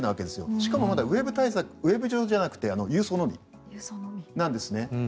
しかもまだウェブ上じゃなくて郵送のみなんですね。